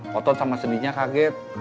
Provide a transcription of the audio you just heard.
kotot sama sendinya kaget